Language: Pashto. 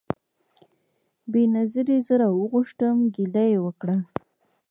بېنظیري زه راوغوښتم ګیله یې وکړه